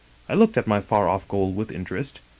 I looked at my far off goal with interest.